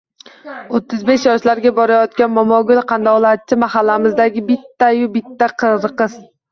O‘ttiz besh yoshlarga borayotgan Momogul qandolatchi – mahallamizdagi bittayu bitta qariqiz